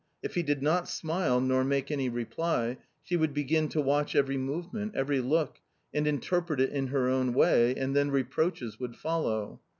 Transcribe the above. If he did not smile nor make any reply, she would begin to watch every movement, every look, and interpret it in her own way, and then reproaches would follow.